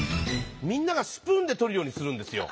みんながスプーンで取るようにするんですよ。